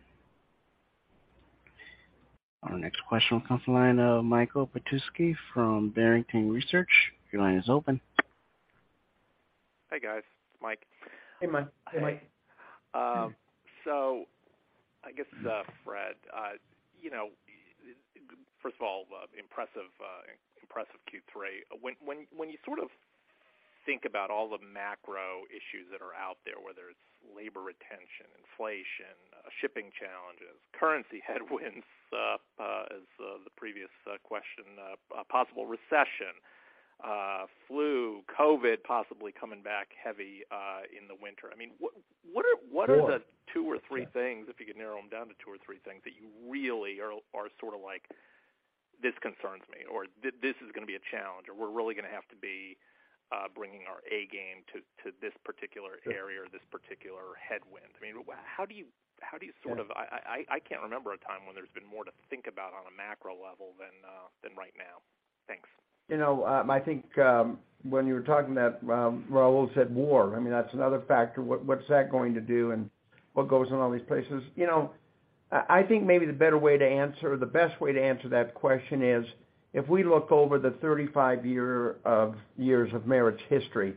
Our next question will come from the line of Michael Petusky from Barrington Research. Your line is open. Hi, guys. It's Mike. Hey, Mike. Hey, Mike. I guess, Fred, you know, first of all, impressive Q3. When you sort of think about all the macro issues that are out there, whether it's labor retention, inflation, shipping challenges, currency headwinds, as the previous question, possible recession, flu, COVID possibly coming back heavy in the winter. I mean, what are the two or three things, if you could narrow them down to two or three things, that you really are sort of like, "This concerns me," or "This is gonna be a challenge," or "We're really gonna have to be bringing our A game to this particular area or this particular headwind." I mean, how do you sort of. I can't remember a time when there's been more to think about on a macro level than right now. Thanks. You know, I think when you were talking that Raul said war, I mean, that's another factor. What's that going to do and what goes on all these places? You know, I think maybe the better way to answer or the best way to answer that question is, if we look over the 35 years of Merit's history,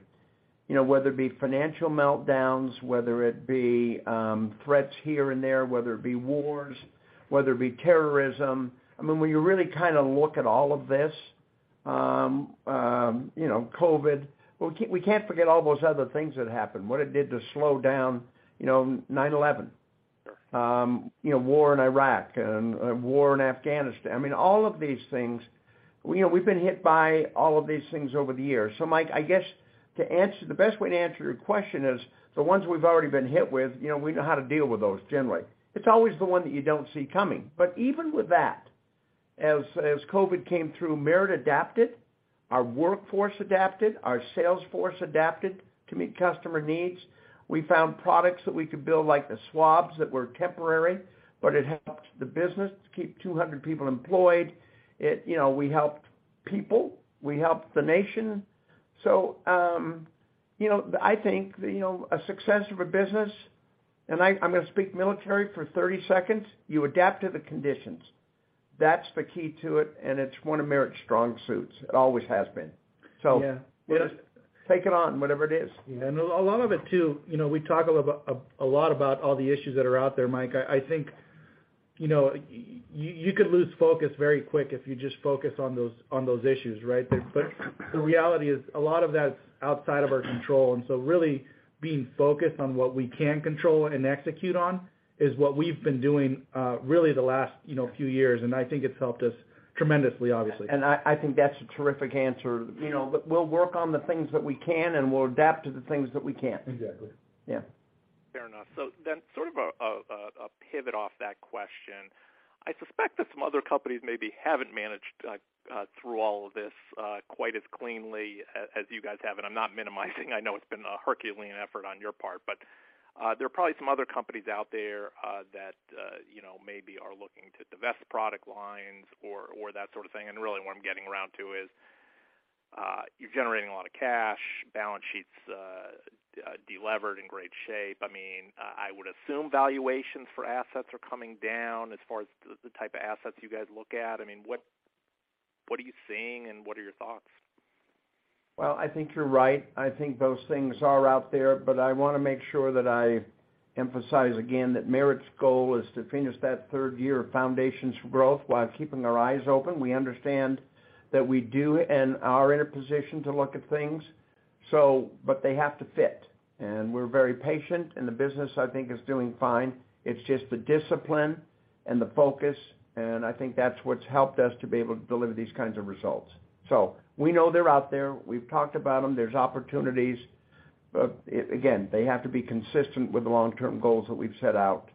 you know, whether it be financial meltdowns, whether it be threats here and there, whether it be wars, whether it be terrorism, I mean, when you really kind of look at all of this, you know, COVID, we can't forget all those other things that happened, what it did to slow down, you know, 9/11. You know, war in Iraq and war in Afghanistan. I mean, all of these things, you know, we've been hit by all of these things over the years. Mike, I guess to answer. The best way to answer your question is, the ones we've already been hit with, you know, we know how to deal with those generally. It's always the one that you don't see coming. Even with that, as COVID came through, Merit adapted, our workforce adapted, our sales force adapted to meet customer needs. We found products that we could build, like the swabs that were temporary, but it helped the business to keep 200 people employed. It, you know, we helped people, we helped the nation. You know, I think, you know, a success of a business, and I'm gonna speak military for 30 seconds, you adapt to the conditions. That's the key to it, and it's one of Merit's strong suits. It always has been. Yeah. Take it on, whatever it is. A lot of it, too, you know, we talk a lot about all the issues that are out there, Mike. I think, you know, you could lose focus very quick if you just focus on those issues, right? The reality is a lot of that's outside of our control. Really being focused on what we can control and execute on is what we've been doing, really the last, you know, few years, and I think it's helped us tremendously, obviously. I think that's a terrific answer. You know, we'll work on the things that we can, and we'll adapt to the things that we can't. Exactly. Yeah. Fair enough. Sort of a pivot off that question. I suspect that some other companies maybe haven't managed through all of this quite as cleanly as you guys have, and I'm not minimizing. I know it's been a Herculean effort on your part, but there are probably some other companies out there that you know, maybe are looking to divest product lines or that sort of thing. Really what I'm getting around to is you're generating a lot of cash, balance sheet's delevered in great shape. I mean, I would assume valuations for assets are coming down as far as the type of assets you guys look at. I mean, what are you seeing and what are your thoughts? Well, I think you're right. I think those things are out there, but I wanna make sure that I emphasize again that Merit's goal is to finish that third year of Foundations for Growth while keeping our eyes open. We understand that we do and are in a position to look at things, but they have to fit. We're very patient, and the business, I think, is doing fine. It's just the discipline and the focus, and I think that's what's helped us to be able to deliver these kinds of results. We know they're out there. We've talked about them. There's opportunities. Again, they have to be consistent with the long-term goals that we've set out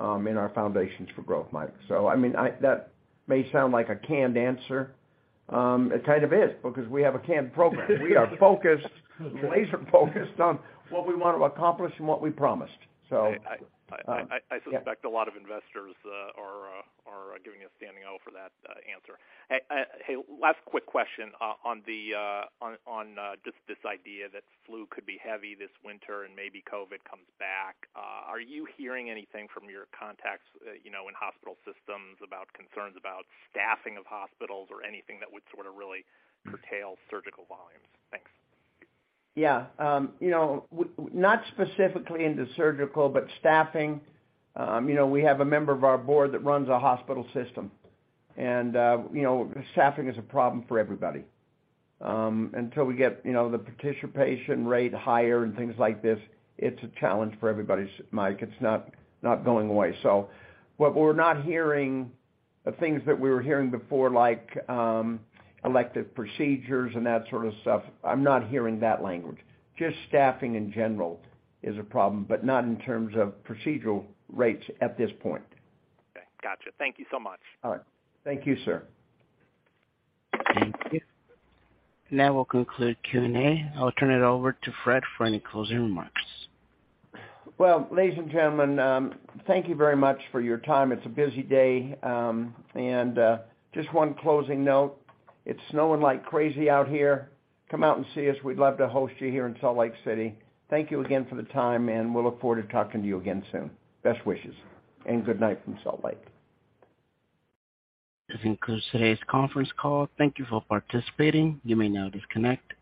in our Foundations for Growth, Mike. I mean, that may sound like a canned answer. It kind of is because we have a canned program. We are focused, laser-focused on what we want to accomplish and what we promised, so. I suspect a lot of investors are giving a standing O for that answer. Hey, last quick question, on just this idea that flu could be heavy this winter and maybe COVID comes back. Are you hearing anything from your contacts, you know, in hospital systems about concerns about staffing of hospitals or anything that would sort of really curtail surgical volumes? Thanks. Yeah. You know, not specifically into surgical, but staffing, you know, we have a member of our board that runs a hospital system. You know, staffing is a problem for everybody. Until we get, you know, the participation rate higher and things like this, it's a challenge for everybody, Mike. It's not going away. What we're not hearing the things that we were hearing before, like, elective procedures and that sort of stuff, I'm not hearing that language. Just staffing in general is a problem, but not in terms of procedural rates at this point. Okay. Gotcha. Thank you so much. All right. Thank you, sir. Thank you. Now we'll conclude Q&A. I'll turn it over to Fred for any closing remarks. Well, ladies and gentlemen, thank you very much for your time. It's a busy day, and just one closing note. It's snowing like crazy out here. Come out and see us. We'd love to host you here in Salt Lake City. Thank you again for the time, and we'll look forward to talking to you again soon. Best wishes and good night from Salt Lake. This concludes today's conference call. Thank you for participating. You may now disconnect.